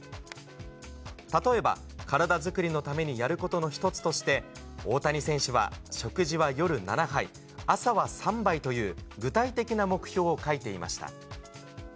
例えば、体作りのためにやることの一つとして、大谷選手は食事は夜７杯、朝は３杯という具体的な目標を書いていました。